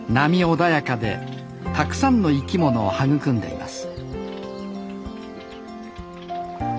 穏やかでたくさんの生き物を育んでいます